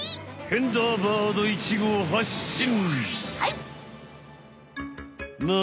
ヘンダーバード１号はっしん！